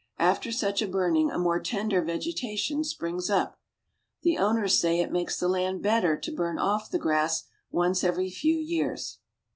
After such a burning a more tender vegetation springs up. The owners say it makes the land better to burn off the grass once every few years.